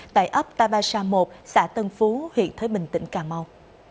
tại ấp tabasa một xã tân phú huyện thới bình tỉnh cà mau